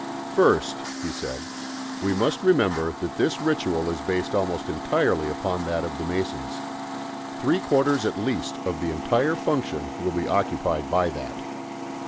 "First," he said, "we must remember that this ritual is based almost entirely upon that of the Masons. Three quarters at least of the entire function will be occupied by that.